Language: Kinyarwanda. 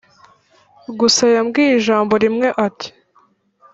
gusa yambwiye ijambo rimwe ati”